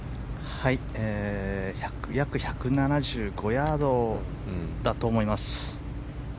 約１７５ヤードだと思います。